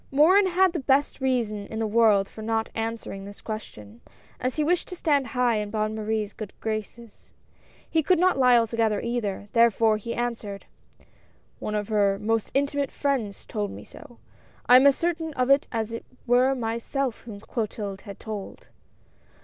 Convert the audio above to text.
Morin had the best reasons in the world for not answering this question, as he wished to stand high in Bonne Marie's good graces. He could not lie alto gether either, therefore he answered :" One of her most intimate friends told me so. I am QUARRELS AKD INSULTS. 161 as certain of it as if it were myself whom Clotilde had told."